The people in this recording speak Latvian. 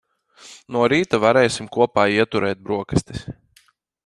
No rīta varēsim kopā ieturēt broksastis.